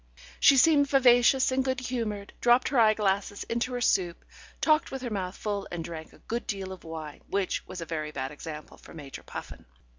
She seemed vivacious and good humoured, dropped her eyeglass into her soup, talked with her mouth full, and drank a good deal of wine, which was a very bad example for Major Puffin.